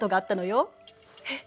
えっ？